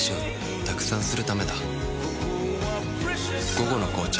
「午後の紅茶」